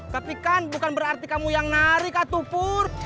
tapi kan bukan berarti kamu yang nari kak tupur